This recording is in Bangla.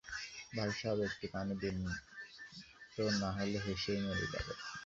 ভাইসাব, একটু পানি দিন তো নাহলে হেসেই মরে যাবে।